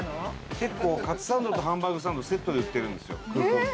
結構かつサンドとハンバーグサンドセットで売ってるんですよ羽田空港で。